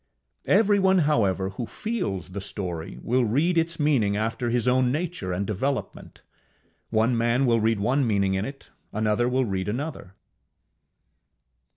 Everyone, however, who feels the story, will read its meaning after his own nature and development: one man will read one meaning in it, another will read another.